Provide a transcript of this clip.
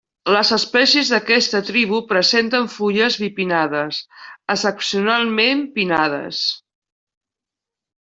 Les espècies d'aquesta tribu presenten fulles bipinnades, excepcionalment pinnades.